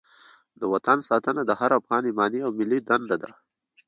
د وطن ساتنه د هر افغان ایماني او ملي دنده ده.